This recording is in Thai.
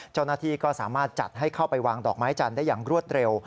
เจ้าหน้าที่ก็สามารถจัดให้เข้าไปวางดอกไม้จันทร์ได้อย่างรวดเร็ว